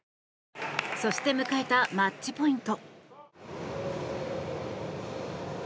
そして迎えたマッチポイント。